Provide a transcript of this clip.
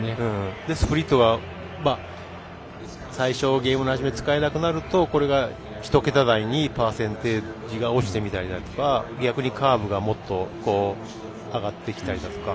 スプリットは最初ゲームの初め使えなくなるとこれが、１桁台にパーセンテージが落ちてとか逆にカーブがもっと上がってきたりだとか。